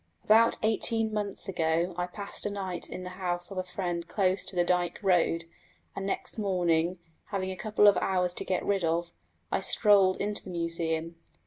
About eighteen months ago I passed a night in the house of a friend close to the Dyke Road, and next morning, having a couple of hours to get rid of, I strolled into the museum.